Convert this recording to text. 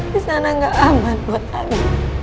di sana gak aman buat abi